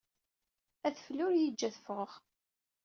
Adfel ur iyi-yejji ad ffɣeɣ.